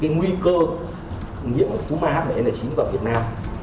thì cái nguy cơ nhiễm của thu ma hbn chín vào việt nam